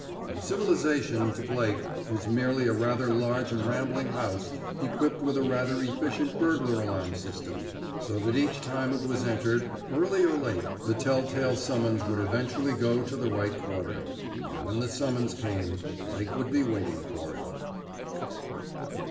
And civilization, to Blake, was merely a rather large and rambling house equipped with a rather efficient burglar alarm system, so that each time it was entered, early or late, the tell tale summons would eventually go to the right quarter. And when the summons came Blake would be waiting for it.